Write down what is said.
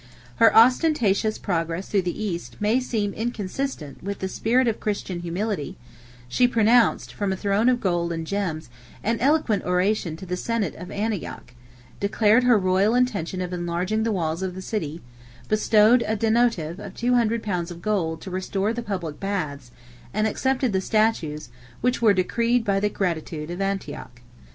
Her ostentatious progress through the East may seem inconsistent with the spirit of Christian humility; she pronounced, from a throne of gold and gems, an eloquent oration to the senate of Antioch, declared her royal intention of enlarging the walls of the city, bestowed a donative of two hundred pounds of gold to restore the public baths, and accepted the statues, which were decreed by the gratitude of Antioch.